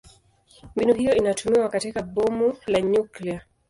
Mbinu hiyo inatumiwa katika bomu la nyuklia.